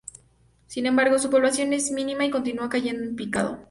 Sin embargo, su población es mínima y continúa cayendo en picado.